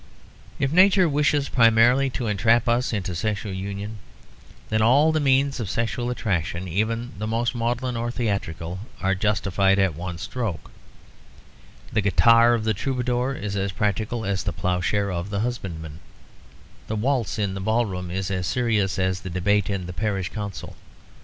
If Nature wishes primarily to entrap us into sexual union, then all the means of sexual attraction, even the most maudlin or theatrical, are justified at one stroke. The guitar of the troubadour is as practical as the ploughshare of the husbandman. The waltz in the ballroom is as serious as the debate in the parish council.